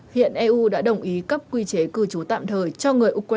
hiện eu đã đồng ý cấp quy chế cư trú tạm thời cho người ukraine chạy nạn